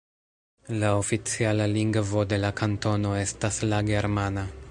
La oficiala lingvo de la kantono estas la germana.